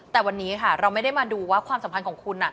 แต่วันนี้ค่ะเราไม่ได้มาดูว่าความสัมพันธ์ของคุณ